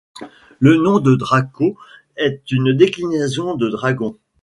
Le nom de Draco est une déclinaison de dragon.